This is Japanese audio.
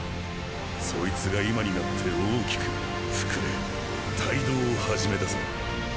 そいつが今になって大きく膨れ胎動を始めたさ。